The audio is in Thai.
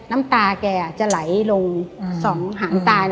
น้ำตาแกจะไหลลง๒หางตา